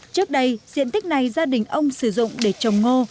trước đây diện tích này gia đình ông sử dụng để trồng ngô